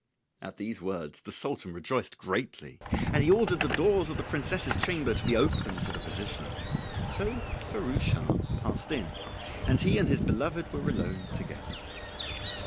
] At these words the Sultan rejoiced greatly, and he ordered the doors of the princess's chamber to be opened to the physician. So Firouz Schah passed in, and he and his beloved were alone together.